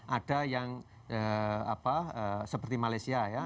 ada yang seperti malaysia ya